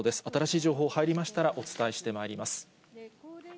新しい情報入りましたら、お伝えしてまいります。